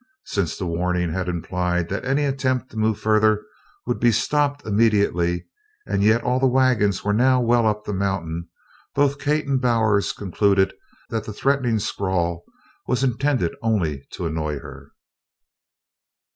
Since the warning had implied that any attempt to move further would be stopped immediately, and yet all the wagons were now well up the mountain, both Kate and Bowers concluded that the threatening scrawl was intended only to annoy her.